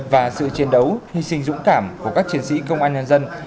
và sự chiến đấu hy sinh dũng cảm của các chiến sĩ công an nhân dân